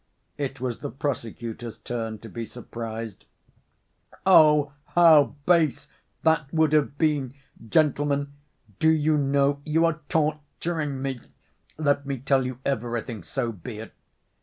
It was the prosecutor's turn to be surprised. "Oh, how base that would have been! Gentlemen, do you know, you are torturing me! Let me tell you everything, so be it.